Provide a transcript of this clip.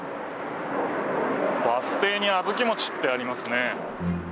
バス停に「小豆餅」ってありますね。